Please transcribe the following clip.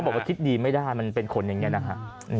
บอกว่าคิดดีไม่ได้มันเป็นคนอย่างนี้นะฮะ